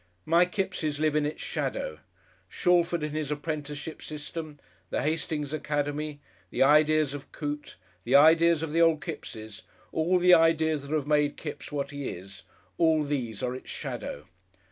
My Kippses live in its shadow. Shalford and his apprenticeship system, the Hastings Academy, the ideas of Coote, the ideas of the old Kippses, all the ideas that have made Kipps what he is, all these are its shadow.